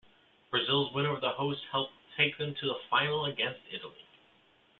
Brazil's win over the hosts helped take them to the final against Italy.